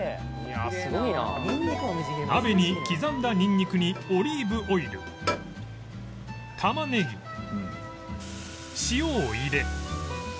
「すごいな」鍋に刻んだニンニクにオリーブオイルタマネギ塩を入れ